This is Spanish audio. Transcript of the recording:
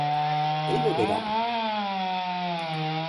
¿él beberá?